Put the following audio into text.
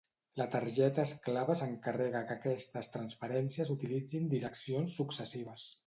La targeta esclava s'encarrega que aquestes transferències utilitzin direccions successives.